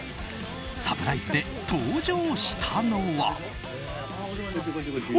サプライズで登場したのは。